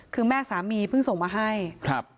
คือแม่สามีเพิ่งส่งมาให้ครับ